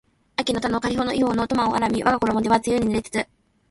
秋の田のかりほの庵の苫を荒みわがころも手は露に濡れつつ